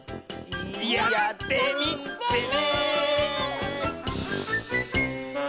やってみてね！